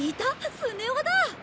スネ夫だ！